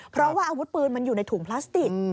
เพราะว่าอาวุธปืนมันอยู่ในถุงพลาสติก